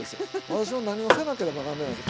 私は何をせなければならないか。